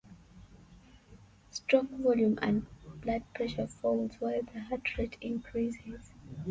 Stroke volume and blood pressure falls, while the heart rate increases.